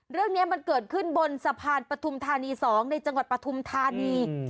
เรื่องนี้มันเกิดขึ้นบนสะพานปฐุมธานี๒ในจังหวัดปฐุมธานี